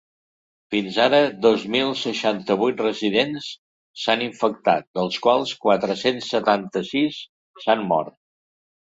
Fins ara dos mil seixanta-vuit residents s’han infectat, dels quals quatre-cents setanta-sis s’han mort.